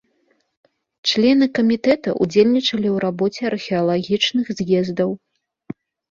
Члены камітэта ўдзельнічалі ў рабоце археалагічных з'ездаў.